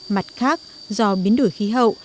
mặt khác do biến đổi khí hậu